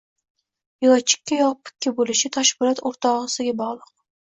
Yo chikka, yo pukka bo‘lishi Toshpo‘lat o‘tog‘asiga bog‘liq